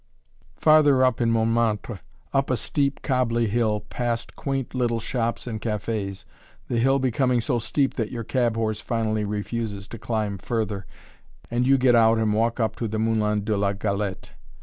Farther up in Montmartre, up a steep, cobbly hill, past quaint little shops and cafés, the hill becoming so steep that your cab horse finally refuses to climb further, and you get out and walk up to the "Moulin de la Galette."